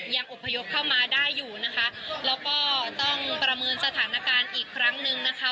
อบพยพเข้ามาได้อยู่นะคะแล้วก็ต้องประเมินสถานการณ์อีกครั้งหนึ่งนะคะ